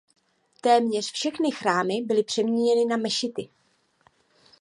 Téměř všechny chrámy byly přeměněny na mešity.